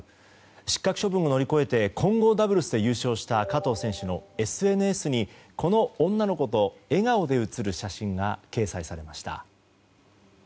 失格処分を乗り越えて混合ダブルスで優勝した加藤選手のＳＮＳにこの女の子と笑顔で写る写真が掲載されました。